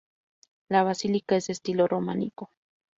La basílica es de estilo románico.